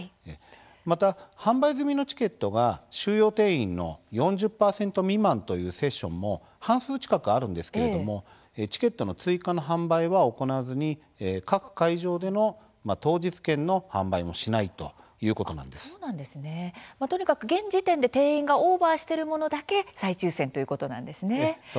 また販売済みのチケットが収容定員の４０％未満というセッションも半数近くあるんですけれどもチケットの追加の販売は行わずに各会場での当日券の販売もしないとにかく現時点で定員がオーバーしているものだけ再抽せんということなんですね。